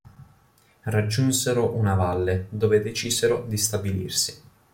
Raggiunsero una valle dove decisero di stabilirsi.